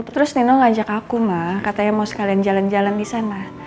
terus nino ngajak aku mbak katanya mau sekalian jalan jalan di sana